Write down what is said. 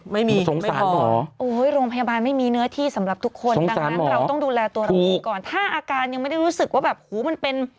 ไม่มียังไม่พอโอ้ยโรงพยาบาลไม่มีเนื้อที่สำหรับทุกคนดังนั้นเราต้องดูแลตัวเราเองก่อนถ้าอาการยังไม่ได้รู้สึกว่าแบบหูมันเป็น